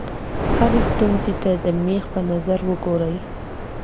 هرې ستونزې ته د مېخ په نظر وګورئ.